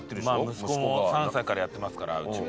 息子も３歳からやってますからうちも。